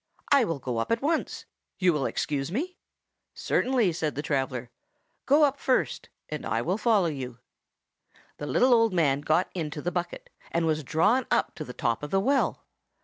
I will go up at once. You will excuse me?" "Certainly," said the traveller. "Go up first, and I will follow you." The little old man got into the bucket, and was drawn up to the top of the well.